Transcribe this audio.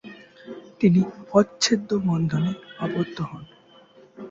তিনি অচ্ছেদ্য বন্ধনে আবদ্ধ হন।